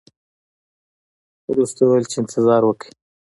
ورسته یې وویل چې انتظار وکړئ.